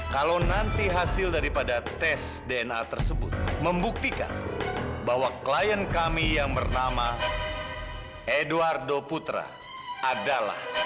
kalau nanti hasil daripada tes dna tersebut membuktikan bahwa klien kami yang bernama edoardo putra adalah